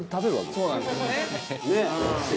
「そうなんですよね」